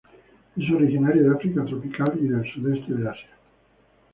Es originario de África tropical y del Sudeste de Asia.